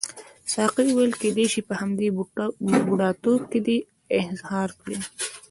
ساقي وویل کیدای شي په همدې بوډاتوب کې دې احضار کړي.